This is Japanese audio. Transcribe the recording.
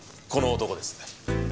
この男です。